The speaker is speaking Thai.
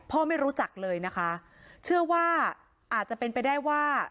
ไม่รู้จักเลยนะคะเชื่อว่าอาจจะเป็นไปได้ว่า